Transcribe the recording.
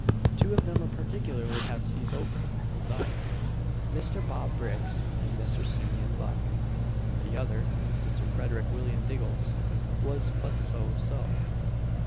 Two of them were particularly half seas over, viz. Mr. Bob Briggs, and Mr. Simeon Buck; the other, Mr. Frederic William Diggles, was but so so.